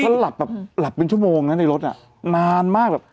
เถอะหลับเป็นชั่วโมงนะในรถนานมาก